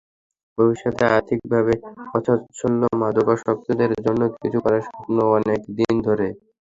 ভবিষ্যতে আর্থিকভাবে অসচ্ছল মাদকাসক্তদের জন্য কিছু করার স্বপ্ন অনেক দিন ধরে।